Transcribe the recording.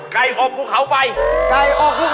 ไก่โอปุนเขาไฟ